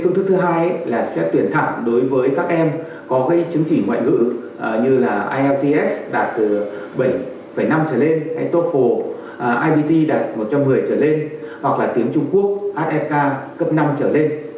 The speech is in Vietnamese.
phương thức thứ hai là xét tuyển thẳng đối với các em có gây chứng chỉ ngoại ngữ như là ielts đạt từ bảy năm trở lên toefl ibt đạt một trăm một mươi trở lên hoặc là tiếng trung quốc ask cấp năm trở lên